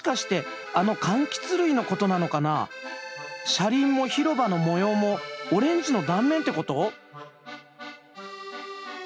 車輪も広場の模様もオレンジの断面ってこと？